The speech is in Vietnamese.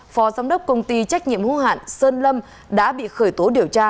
phó giám đốc công ty trách nhiệm hữu hạn sơn lâm đã bị khởi tố điều tra